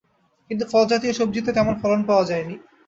কিন্তু ফলজাতীয় সবজিতে তেমন ফলন পাওয়া যায়নি।